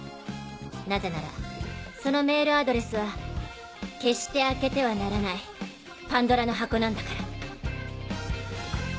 なぜならそのメールアドレスは決して開けてはならないパンドラの箱なんだから。